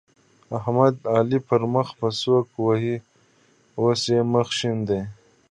احمد؛ علي پر مخ په سوک وواهه ـ اوس يې مخ شين دی.